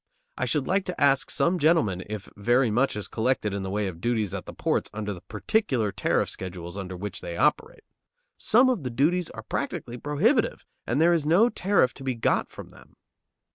I should like to ask some gentlemen if very much is collected in the way of duties at the ports under the particular tariff schedules under which they operate. Some of the duties are practically prohibitive, and there is no tariff to be got from them.